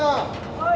はい。